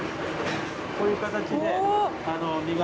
こういう形で身が。